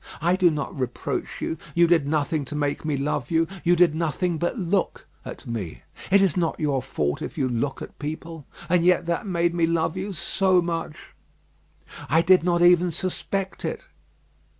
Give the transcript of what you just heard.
I do not reproach you; you did nothing to make me love you; you did nothing but look at me; it is not your fault if you look at people; and yet that made me love you so much. I did not even suspect it.